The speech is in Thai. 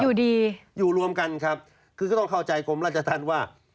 อยู่ดีอยู่รวมกันครับคือก็ต้องเข้าใจกรมราชธรรมว่า